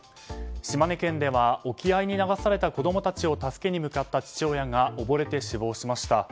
島根県では、沖合に流された子供たちを助けに向かった父親が溺れて死亡しました。